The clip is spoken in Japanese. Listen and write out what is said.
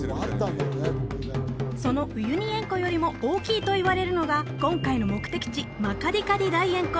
そのウユニ塩湖よりも大きいといわれるのが今回の目的地マカディカディ大塩湖